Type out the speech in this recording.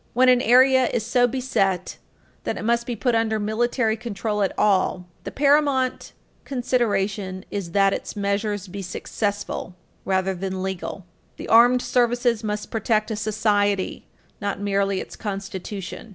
When an area is so beset that it must be put under military control at all, the paramount consideration is that its measures be successful, rather than legal. The armed services must protect a society, not merely its Constitution.